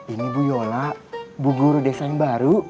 ini bu yola bu guru desa yang baru